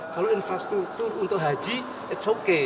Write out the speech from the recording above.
kalau infrastruktur untuk haji it's okay